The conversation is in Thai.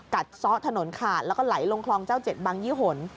ซ้อถนนขาดแล้วก็ไหลลงคลองเจ้าเจ็ดบังยี่หน